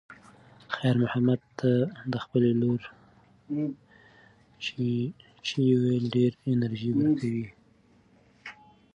خیر محمد ته د خپلې لور "چیچیه" ویل ډېره انرژي ورکوي.